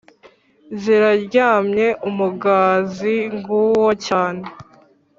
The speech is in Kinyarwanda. ziraryamye umugazi nguwo cyane